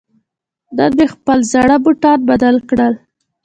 نن مې خپل زاړه بوټان بدل کړل.